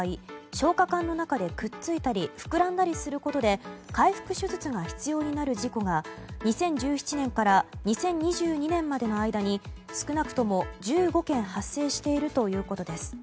消化管の中でくっついたり膨らんだりすることで開腹手術が必要になる事故が２０１７年から２０２２年までの間に少なくとも１５件発生しているということです。